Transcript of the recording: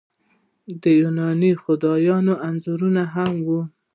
د یوناني خدایانو انځورونه هم وو